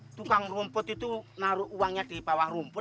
tukang rumput itu naruh uangnya di bawah rumput